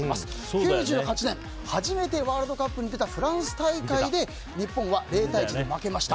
９８年初めてワールドカップに出たフランス大会で日本は０対１で負けました。